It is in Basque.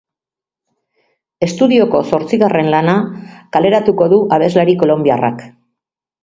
Estudioko zortzigarren lana kaleratuko du abeslari kolonbiarrak.